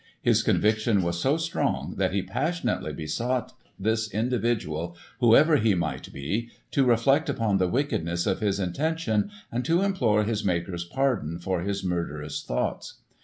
His conviction was so strong, that he passionately besought this individual, whoever, he might be, to reflect upon the wickedness of his intention, and to implore his Maker's pardon for his murderous thoughts.